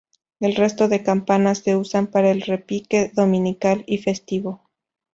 El resto de campanas se usan para el repique dominical y festivo.